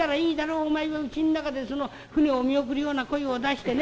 お前はうちの中で船を見送るような声を出してね。